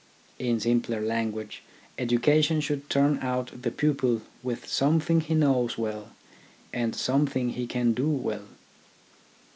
In simpler language, education should turn out the pupil with something he knows well and some thing he can do well.